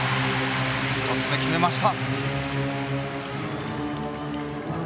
１つ目決めました！